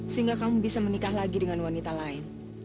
sehingga kamu bisa menikah lagi dengan wanita lain